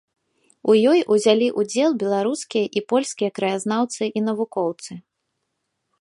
У ёй узялі ўдзел беларускія і польскія краязнаўцы і навукоўцы.